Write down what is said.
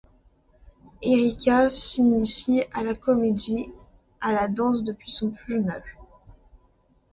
Erika s'initie à la comédie et à la danse depuis son plus jeune âge.